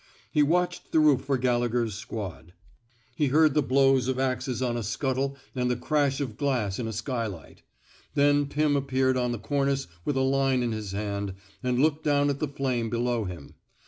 He watched the roof for Gallegher 's squad. He heard the blows of axes on a scuttle and the crash of glass in a skylight. Then Pirn appeared on the cornice with a line in his hand, and looked down at the flame below him.